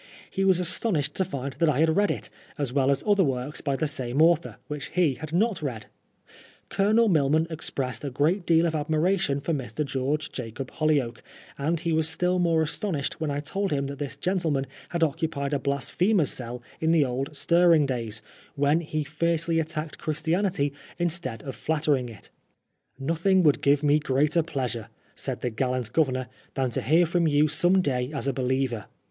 He was astonished ^•o find that I had read it, as well as other works by the vme author, which he had not read. Colonel Milman PRISON LIFE. 141 expressed a good deal of admiration for Mr. (George Jacob Holyoa^e, and he was still more astonished when I told him that this gentleman had occupied a bias* phemer's cell in the old stirring days, when he fiercely attacked Christianity instead of flattering it '^ Nothing would give me greater pleasure/* said the gallant Gk)yemor, ''than to hear from you some day as a be liever."